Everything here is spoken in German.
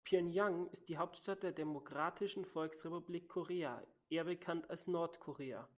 Pjöngjang ist die Hauptstadt der Demokratischen Volksrepublik Korea, eher bekannt als Nordkorea.